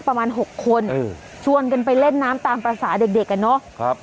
ประมาณหกคนเออชวนกันไปเล่นน้ำตามภาษาเด็กเด็กกันเนอะครับ